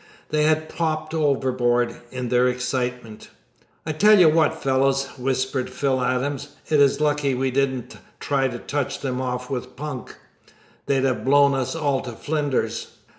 They had popped overboard in their excitement. "I tell you what, fellows," whispered Phil Adams, "it is lucky we didn't try to touch 'em off with punk. They'd have blown us all to flinders."